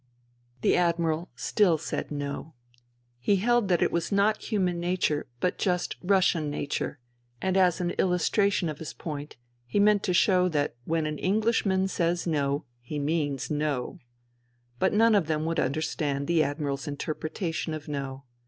The Admiral still said No. He held that it was not human nature but just Russian nature, and as an illustration of his point he meant to show that when an Englishman says No he does mean No. But none of them would understand the Admiral's interpre tation of No.